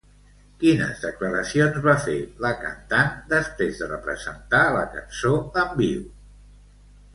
Quines declaracions va fer, la cantant, després de representar la cançó en viu?